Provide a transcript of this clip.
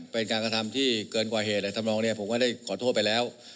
เป็นการกระทำที่เกินกว่าเหตุอะไรทำนองเนี่ยผมก็ได้ขอโทษไปแล้ว